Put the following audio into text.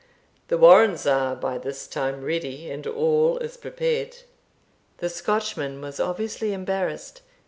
The warrants are by this time ready, and all is prepared." The Scotchman was obviously embarrassed.